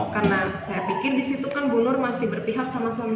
karena saya pikir disitu kan bu nur masih berpihak sama suami saya